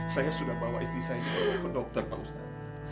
saya sudah bawa istri saya ke dokter pak ustaz